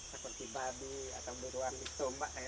kalau ditanam seperti babi atau buru api